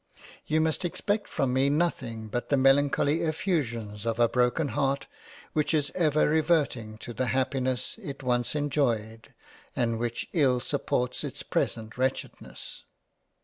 — You must expect from me nothing but the melancholy effusions of a broken Heart which is ever reverting to the Happiness it once en joyed and which ill supports its present wretchedness.